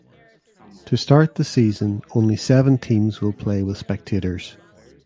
To start the season only seven teams will play with spectators.